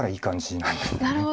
なるほど。